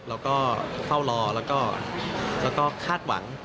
แล้วก็เฝ้ารอแล้วก็คาดหวัง